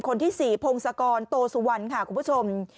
คนที่๔พงศกรโตสุวรรณค่ะคุณผู้ชม